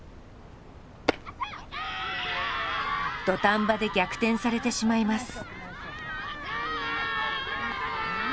土壇場で逆転されてしまいます。